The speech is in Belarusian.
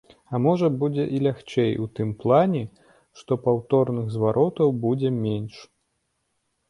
А можа, будзе і лягчэй у тым плане, што паўторных зваротаў будзе менш.